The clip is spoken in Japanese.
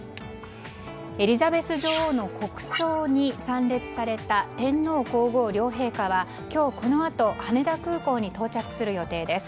エリザベス女王の国葬に参列された天皇・皇后両陛下は今日このあと羽田空港に到着する予定です。